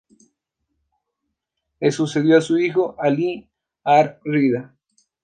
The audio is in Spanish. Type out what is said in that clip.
Le sucedió su hijo Alí ar-Rida.